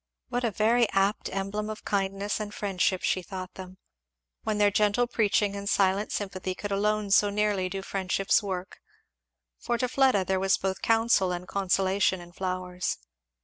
What a very apt emblem of kindness and friendship she thought them; when their gentle preaching and silent sympathy could alone so nearly do friendship's work; for to Fleda there was both counsel and consolation in flowers.